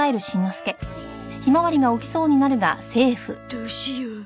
どうしよう。